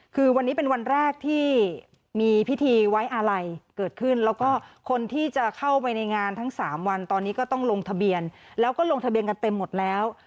คือวันนี้เป็นวันแรกที่มีพิธีไว้อาลัยเกิดขึ้นแล้วก็คนที่จะเข้าไปในงานทั้ง๓วันตอนนี้ก็ต้องลงทะเบียนแล้วก็ลงทะเบียนกันเต็มหมดแล้ว